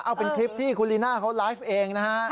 เอาเป็นคลิปที่คุณลีน่าเขาไลฟ์เองนะฮะ